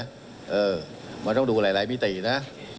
เออมันต้องดูหลายมิตินะ